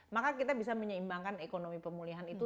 maka kita bisa menyeimbangkan ekonomi pemulihan itu